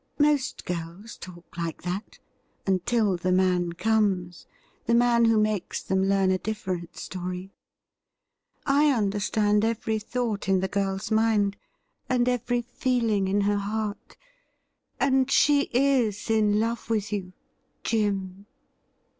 Most girls talk like that — ^until the man comes — the man who makes them learn a different stoiy. I understand every thought in the girl's mind, and every feeling in her heart, and she is in love with you — Jim